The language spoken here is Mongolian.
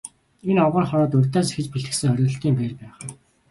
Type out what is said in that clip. Энэ овгор харууд урьдаас зэхэж бэлтгэсэн хориглолтын байр байх нь.